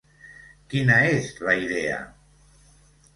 Quina és la idea?